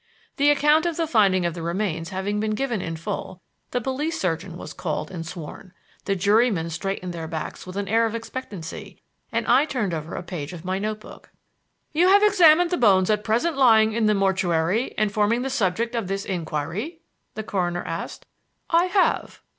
The account of the finding of the remains having been given in full, the police surgeon was called and sworn; the jurymen straightened their backs with an air of expectancy, and I turned over a page of my notebook. "You have examined the bones at present lying in the mortuary and forming the subject of this inquiry?" the coroner asked. "I have."